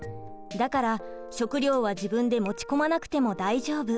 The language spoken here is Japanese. だから食料は自分で持ち込まなくても大丈夫。